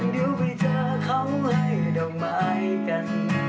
เดี๋ยวไปเจอเขาให้ดอกไม้กัน